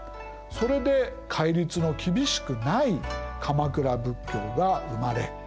それで戒律の厳しくない鎌倉仏教が生まれ広まった。